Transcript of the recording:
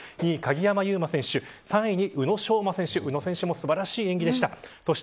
２位、鍵山優真選手３位、宇野昌磨選手宇野選手も素晴らしい演技でした。